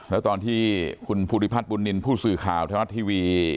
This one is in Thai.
แล้วตอนที่คุณภูติภัทรบุญนินทร์ผู้สื่อข่าวเทวาทร์ทีวี